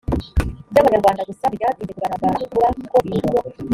by abanyarwanda gusa ntibyatinze kugaragara vuba ko iyo mvugo